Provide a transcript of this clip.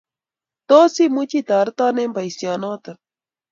Tos imuchi itoreto eng boisionoto?